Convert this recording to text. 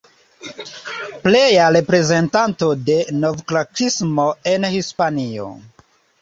Pleja reprezentanto de novklasikismo en Hispanio.